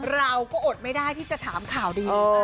เราก็อดไม่ได้ที่จะถามข่าวดี